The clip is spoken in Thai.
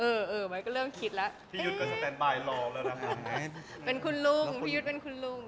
เออมันก็เริ่มคิดแล้วเอ๊ะเป็นคุณลุงพี่ยุทธ์เป็นคุณลุง